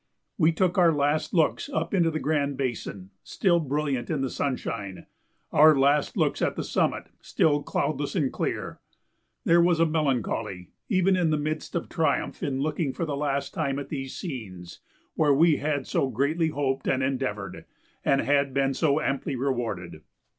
We took our last looks up into the Grand Basin, still brilliant in the sunshine, our last looks at the summit, still cloudless and clear. There was a melancholy even in the midst of triumph in looking for the last time at these scenes where we had so greatly hoped and endeavored and had been so amply rewarded.